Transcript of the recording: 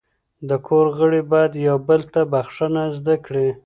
د کور غړي باید یو بل ته بخښنه زده کړي.